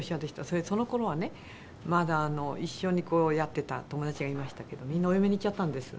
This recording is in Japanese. それでその頃はねまだ一緒にやってた友達がいましたけどみんなお嫁に行っちゃったんです。